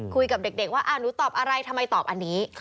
คุยกับเด็กว่าหนูตอบอะไรทำไมตอบอันนี้